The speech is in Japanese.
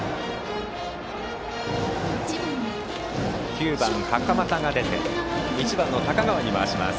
９番、袴田が出て１番の高川に回します。